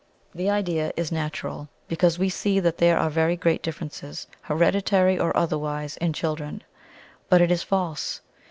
The idea is natural, because we see that there are very great differences, hereditary or otherwise, in children. But it is false.